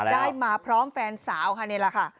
ได้มาพร้อมแฟนสาวฮาเนล่ะค่ะ